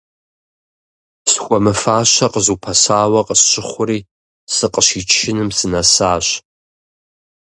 Схуэмыфащэ къызапэсауэ къысщыхъури, сыкъыщичыным сынэсащ.